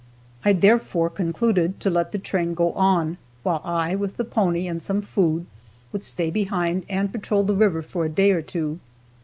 I therefore concluded to let the train go on, while I, with the pony and some food, would stay behind and patrol the river for a day or two.